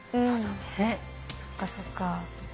そっかそっか。